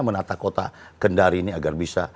menata kota kendari ini agar bisa